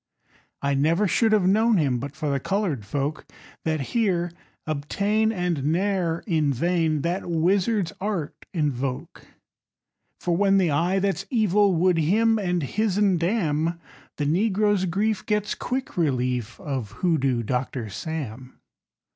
_ I never should have known him But for the colored folk That here obtain And ne'er in vain That wizard's art invoke; For when the Eye that's Evil Would him and his'n damn, The negro's grief gets quick relief Of Hoodoo Doctor Sam.